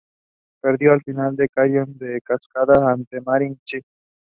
The young man is constantly tormented by anxiety about his future and choices.